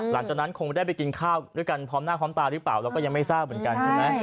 หลังจากนั้นคงไม่ได้ไปกินข้าวด้วยกันพร้อมหน้าพร้อมตาหรือเปล่าเราก็ยังไม่ทราบเหมือนกันใช่ไหม